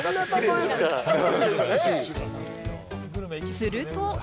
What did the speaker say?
すると。